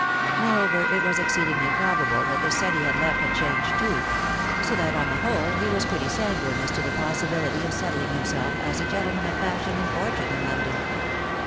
Moreover, it was exceedingly probable that the set he had left had changed too ; so that, on the whole, he was pretty sanguine as to the possibiUty of setthng himself as a gentleman of fashion and fortune in London.